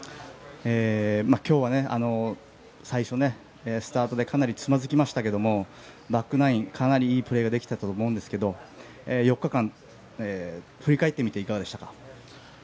今日は最初、スタートでかなりつまずきましたがバックナインかなりいいプレーができたと思うんですが４日間、振り返ってみていかがでしたか？